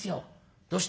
「どうして？」。